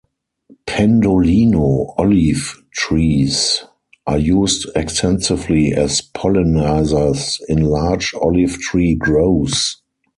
'Pendolino' olive trees are used extensively as pollenizers in large olive tree groves.